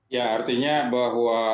ya artinya bahwa